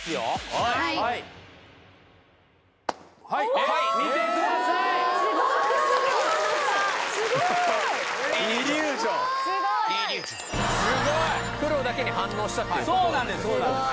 はいはい見てください・すごいすごい・イリュージョンすごい黒だけに反応したっていうことそうなんですそうなんです